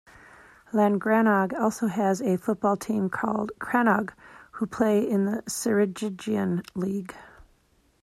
Llangrannog also has a football team called Crannog, who play in the Ceredigion League.